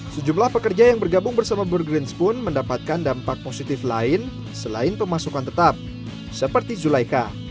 sejumlah pekerja yang bergabung bersama burgrins pun mendapatkan dampak positif lain selain pemasukan tetap seperti zulaika